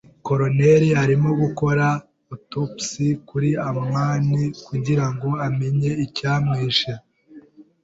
Coroner arimo gukora autopsie kuri amani kugirango amenye icyamwishe.